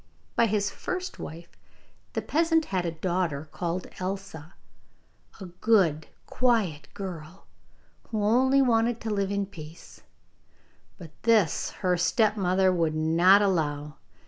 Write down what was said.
By his first wife the peasant had a daughter called Elsa, a good quiet girl, who only wanted to live in peace, but this her stepmother would not allow.